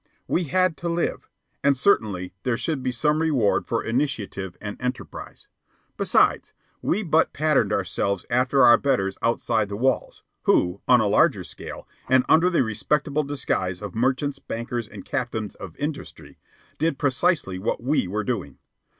We had to live. And certainly there should be some reward for initiative and enterprise. Besides, we but patterned ourselves after our betters outside the walls, who, on a larger scale, and under the respectable disguise of merchants, bankers, and captains of industry, did precisely what we were doing.